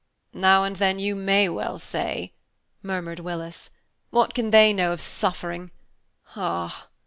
"Now and then you may well say," murmured Willis. "What can they know of suffering? Ah!